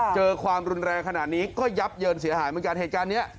เจอความรุนแรงขนาดนี้ก็ยับเยินเสียหาย